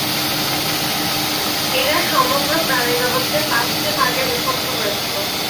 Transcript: এরা সমগ্র প্রাণিজগৎকে পাঁচটি ভাগে বিভক্ত করেছিল।